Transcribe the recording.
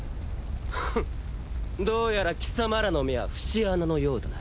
フンどうやら貴様らの目は節穴のようだな。